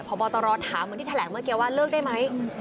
พบตรถามเหมือนที่แถลงเมื่อกี้ว่าเลิกได้ไหม